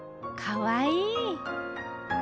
かわいい。